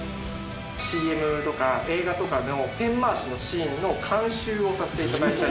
ＣＭとか映画とかのペン回しのシーンの監修をさせて頂いたり。